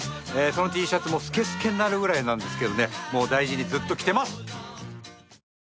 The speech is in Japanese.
そのＴシャツもすけすけになるぐらいなんですけどね、大事にずっと着てます。